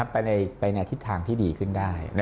ไปในทิศทางที่ดีขึ้นได้